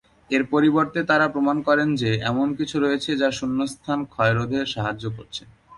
এর পরিবর্তে তারা প্রমাণ করেন যে এমন কিছু রয়েছে যা শূন্যস্থান ক্ষয় রোধে সাহায্য করছে।